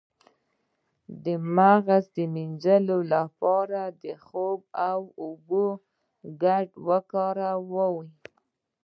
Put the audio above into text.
د مغز د مینځلو لپاره د خوب او اوبو ګډول وکاروئ